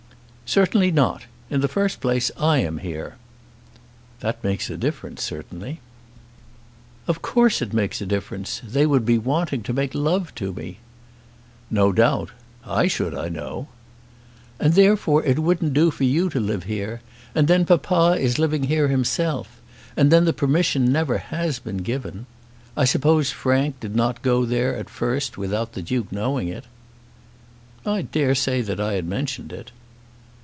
"Certainly not. In the first place, I am here." "That makes a difference, certainly." "Of course it makes a difference. They would be wanting to make love to me." "No doubt. I should, I know." "And therefore it wouldn't do for you to live here; and then papa is living here himself. And then the permission never has been given. I suppose Frank did not go there at first without the Duke knowing it." "I daresay that I had mentioned it."